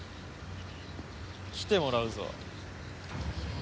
来てもらうぞ。